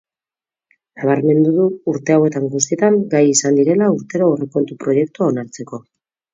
Nabarmendu du urte hauetan guztietan gai izan direla urtero aurrekontu proiektua onartzeko.